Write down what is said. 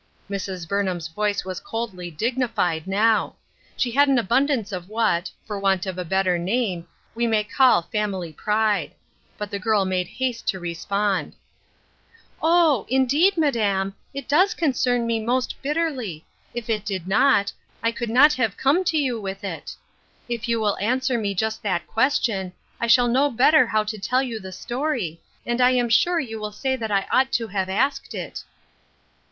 Mrs. Burnham's voice was coldly dignified now ; she had an abundance of what, for want of a better name, we may call family pride ; but the girl made haste to respond :— l68 A TROUBLESOME "YOUNG PERSON." " Oh ! indeed, madam, it does concern me most bitterly ; if it did not, I could not have come to you with it. If you will answer me just that question, I shall know better how to tell you the story, and I am sure you will say that I ought to have asked it."